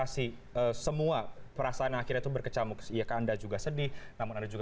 sedih ya kecewa ya marah bingung